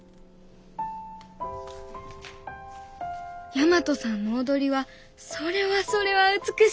大和さんの踊りはそれはそれは美しかった。